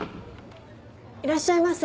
いらっしゃいませ。